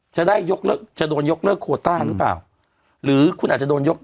จะได้ยกเลิกจะโดนยกเลิกโคต้าหรือเปล่าหรือคุณอาจจะโดนยก